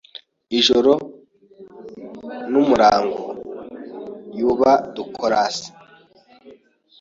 Ijoro n'umurango yuba dukoras